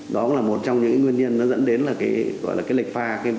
đó là một trong những nguyên nhân nó dẫn đến là cái lệch pha